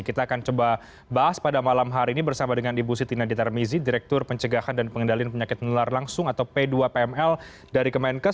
kita akan coba bahas pada malam hari ini bersama dengan ibu siti nadia tarmizi direktur pencegahan dan pengendalian penyakit menular langsung atau p dua pml dari kemenkes